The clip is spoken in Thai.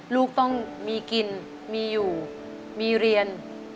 ลูกต้องมีกินมีอยู่มีเรียน